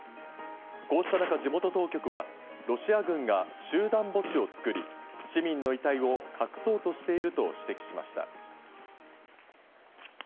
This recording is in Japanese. こうした中、地元当局はロシア軍が集団墓地を作り市民の遺体を隠そうとしていると指摘しました。